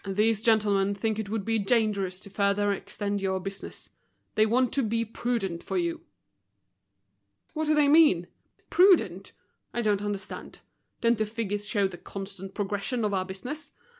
These gentlemen think it would be dangerous to further extend your business. They want to be prudent for you." "What do they mean? Prudent! I don't understand. Don't the figures show the constant progression of our business?